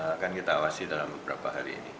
akan kita awasi dalam beberapa hari ini